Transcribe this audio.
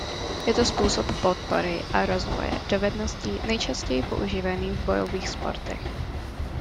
Je to způsob podpory a rozvoje dovedností nejčastěji používaný v bojových sportech.